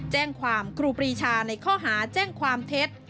หลังครูปรีชาในข้อหาแจ้งความเท็จ